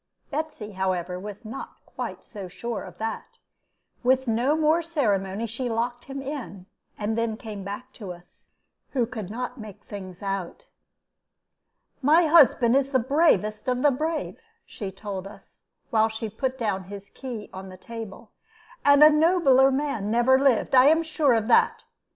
Betsy, however, was not quite so sure of that. With no more ceremony she locked him in, and then came back to us, who could not make things out. "My husband is the bravest of the brave," she told us, while she put down his key on the table; "and a nobler man never lived; I am sure of that.